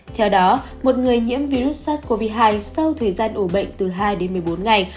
theo đó một người nhiễm virus sars cov hai sau thời gian ủ bệnh từ hai đến một mươi bốn ngày